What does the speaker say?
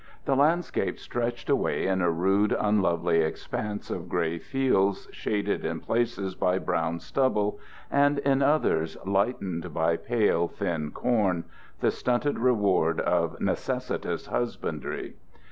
The landscape stretched away in a rude, unlovely expanse of gray fields, shaded in places by brown stubble, and in others lightened by pale, thin corn the stunted reward of necessitous husbandry.